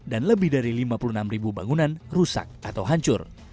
lebih dari lima puluh enam ribu bangunan rusak atau hancur